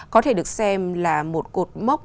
có thể được xem là một cột mốc